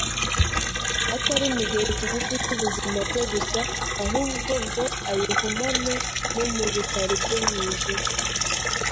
atari mu gihe kigufi cy’ubuzima bwe gusa, ahubwo ngo ayigumane no mu bikari byo mu ijuru.